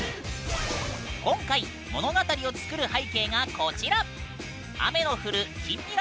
今回物語を作る背景がこちら。